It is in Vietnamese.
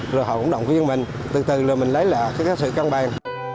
rồi họ cũng động viên mình từ từ rồi mình lấy lại các sự căng bàn